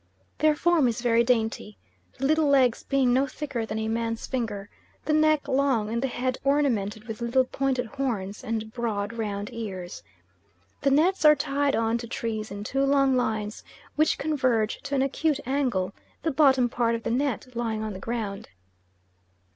Their form is very dainty, the little legs being no thicker than a man's finger, the neck long and the head ornamented with little pointed horns and broad round ears. The nets are tied on to trees in two long lines, which converge to an acute angle, the bottom part of the net lying on the ground.